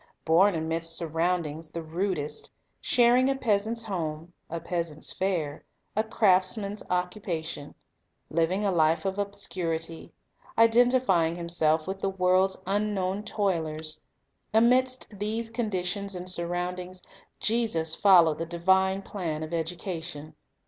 Born amidst surroundings the rudest, shar ing a peasant's home, a peasant's fare, a craftsman's occupation, living a life of obscurity, identifying Himself with the world's unknown toilers, — amidst these condi tions and surroundings, — Jesus followed the divine plan of education.